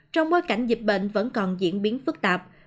trong bối cảnh dịch bệnh vẫn còn diễn biến phức tạp